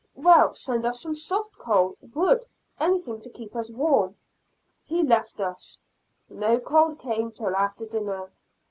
"Well, send us some soft coal, wood, anything to keep us warm." He left us; no coal came till after dinner.